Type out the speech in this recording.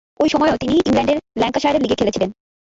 ঐ সময়েও তিনি ইংল্যান্ডের ল্যাঙ্কাশায়ার লীগে খেলেছিলেন।